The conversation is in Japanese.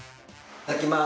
いただきます。